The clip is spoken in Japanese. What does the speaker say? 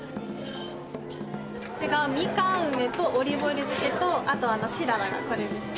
これがみかん梅とオリーブオイル漬けとあとしららがこれですね。